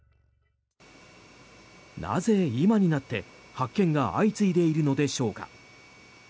なぜ今になって発見が相次いでいるのでしょうか。